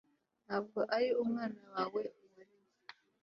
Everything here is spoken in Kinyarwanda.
Ntabwo ari umwana wawe wareze